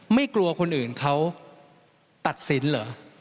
ไม่กลัวคนอื่นเขาตัดสินเหรอ